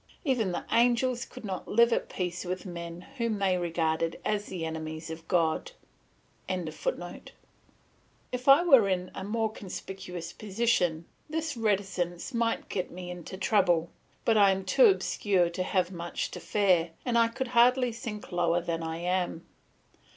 Even the angels could not live at peace with men whom they regarded as the enemies of God.] If I were in a more conspicuous position, this reticence might get me into trouble; but I am too obscure to have much to fear, and I could hardly sink lower than I am.